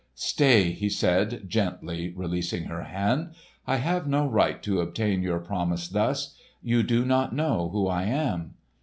"Stay!" he said, gently releasing her hand, "I have no right to obtain your promise thus. You do not know who I am."